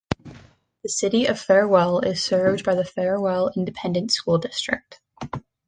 The City of Farwell is served by the Farwell Independent School District.